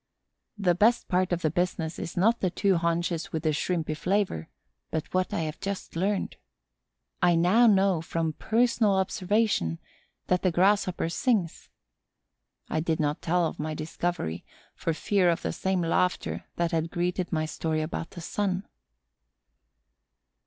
The best part of the business is not the two haunches with the shrimpy flavor, but what I have just learned. I now know, from personal observation, that the Grasshopper sings. I did not tell of my discovery, for fear of the same laughter that had greeted my story about the sun.